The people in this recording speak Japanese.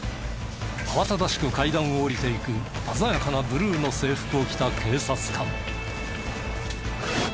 慌ただしく階段を下りていく鮮やかなブルーの制服を着た警察官。